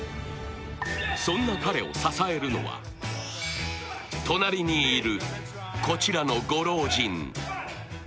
そんな彼を支えるのは隣にいるこちらのご老人。